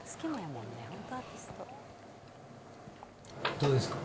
どうですか？